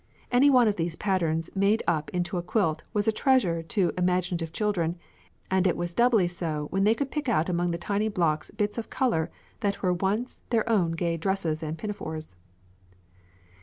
Any one of these patterns made up into a quilt was a treasure to imaginative children, and it was doubly so when they could pick out among the tiny blocks bits of colour that were once in their own gay dresses and pinafores.